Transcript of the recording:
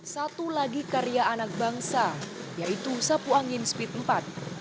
satu lagi karya anak bangsa yaitu sapu angin speed empat